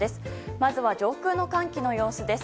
まずは上空の寒気の様子です。